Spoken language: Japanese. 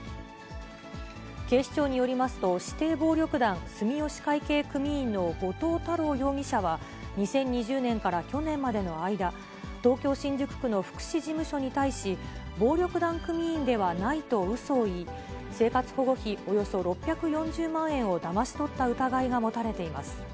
警視庁によりますと、指定暴力団住吉会系組員の後藤太郎容疑者は、２０２０年から去年までの間、東京・新宿区の福祉事務所に対し、暴力団組員ではないとうそを言い、生活保護費およそ６４０万円をだまし取った疑いが持たれています。